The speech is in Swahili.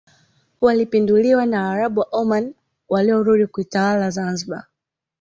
walipinduliwa na waarabu wa Oman waliorudi kuitawala Zanzibar